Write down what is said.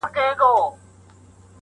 او هیله ده له فکر کولو وروسته نظر ورکړئ